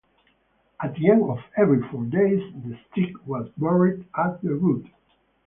At the end of every four days the stick was buried at the root.